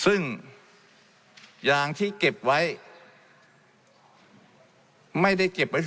และมีผลกระทบไปทุกสาขาอาชีพชาติ